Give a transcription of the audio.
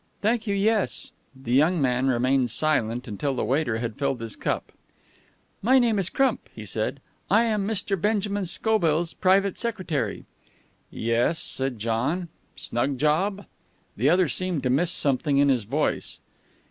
"Thank you, yes." The young man remained silent until the waiter had filled his cup. "My name is Crump," he said. "I am Mr. Benjamin Scobell's private secretary." "Yes?" said John. "Snug job?" The other seemed to miss something in his voice.